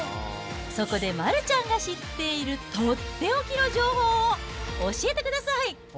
そこで丸ちゃんが知っている取って置きの情報を教えてください。